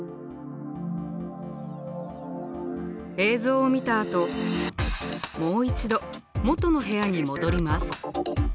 映像を見たあともう一度元の部屋に戻ります。